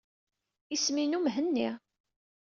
Isem-inu Mhenni.